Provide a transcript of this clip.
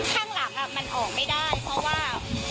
ข้างหลังมันออกไม่ได้เพราะว่า